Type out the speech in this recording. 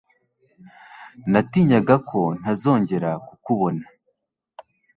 Natinyaga ko ntazongera kukubona.